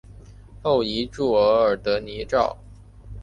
后移驻额尔德尼召。